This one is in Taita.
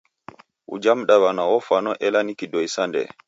Uja mdaw'ana wafwano ela ni kidoi sa ndee.